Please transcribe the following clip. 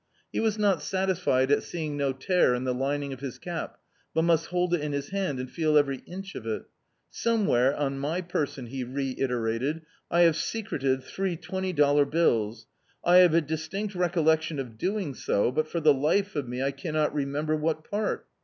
He was not sat isfied at seeing no tear in the lining of his cap, but must hold it in his hand and feel every inch of iL "Somewhere on my person," he reiterated, "I have secreted three twenty dollar bills. I have a distinct recollection of doing so, but for the life of me I cannot remember what part."